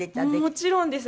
もちろんです。